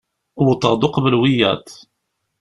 Wwḍeɣ-d uqbel wiyaḍ.